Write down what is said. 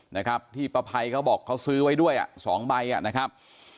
นะครับที่ป้าภัยเขาบอกเขาซื้อไว้ด้วยอ่ะสองใบอ่ะนะครับ